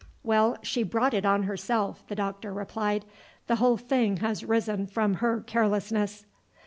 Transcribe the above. "Well, she brought it on herself," the doctor replied. "The whole thing has arisen from her carelessness."